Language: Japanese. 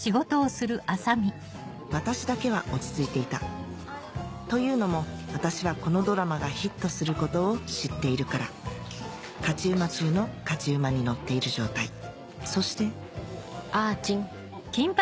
私だけは落ち着いていたというのも私はこのドラマがヒットすることを知っているから勝ち馬中の勝ち馬に乗っている状態そしてあーちん。